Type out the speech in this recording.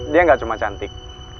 dia gak cuma cantik